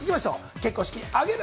結婚式挙げる？